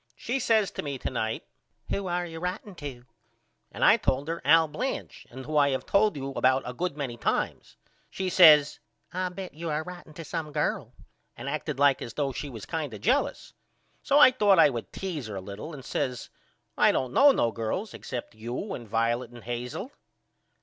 She says to me to night Who are you writeing to and I told her Al Blanch and who I have told you about a good many times. She says I bet you are writeing to some girl and acted like as though she was kind of jealous. So I thought I would tease her a little and I says I don't know no girls except you and Violet and Hazel.